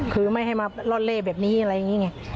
คือไม่ให้มาล่อนเล่แบบนี้อะไรอย่างนี้ไง